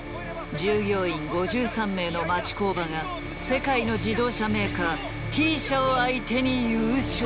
従業員５３名の町工場が世界の自動車メーカーＴ社を相手に優勝。